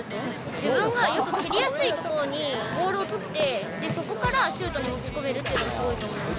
自分が蹴りやすいところにボールを取って、そこからシュートに持ち込めるというのはすごいと思います。